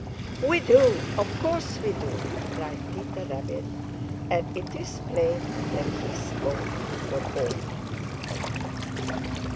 "We do! Of course we do!" cried Peter Rabbit, and it is plain that he spoke for all.